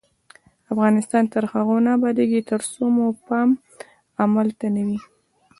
افغانستان تر هغو نه ابادیږي، ترڅو مو پام عمل ته نه وي.